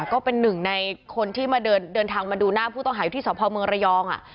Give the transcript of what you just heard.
ก็เป็นหนึ่งในคนที่มาเดินทางมาดูหน้าผู้ต้องหาอยู่ที่สพเมืองระยอง